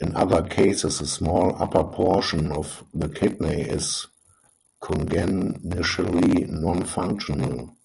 In other cases, a small, upper portion of the kidney is congenitally non-functional.